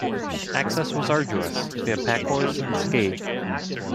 Access was arduous - via packhorse and ski.